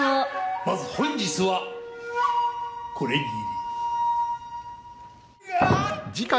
まず本日はこれぎり。